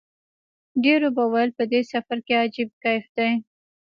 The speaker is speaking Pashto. ډېرو به ویل په دې سفر کې عجیب کیف دی.